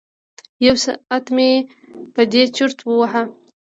یو ساعت مې په دې چرت وهه.